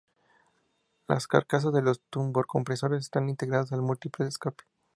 Las carcasas de los turbocompresores están integradas al múltiple de escape.